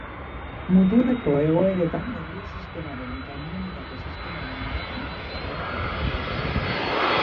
Muturreko egoeretan nerbio-sistemaren eta immunitate-sistemaren garapena aldatu dezakete.